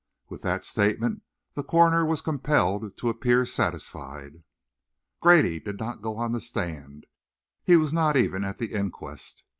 With that statement, the coroner was compelled to appear satisfied. Grady did not go on the stand; he was not even at the inquest.